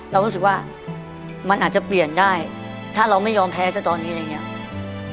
เรารู้สึกว่ามันอาจจะเปลี่ยนได้ถ้าเราไม่ยอมแพ้ซะตอนนี้อะไรอย่างนี้